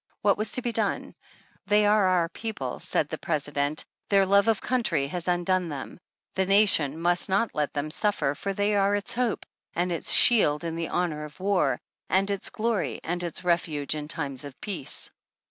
What was to be done ?" They are our people, said the President, their love of country has undone them ; the nation must not let them suf fer, for they are its hope and its shield in the hour of war, and its glory and its refuge in times of peace.